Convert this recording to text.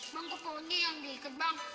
bang keponnya yang diikat bang